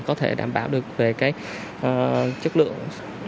có thể đảm bảo được về cái chức năng